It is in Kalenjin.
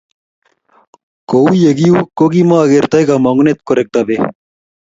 Kouyekiu, kokimakokertoi komangunet korekto bek